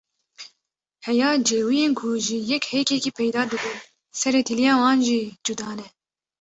Heya cêwiyên ku ji yek hêkekî peyda dibin, serê tiliyên wan jî cuda ne!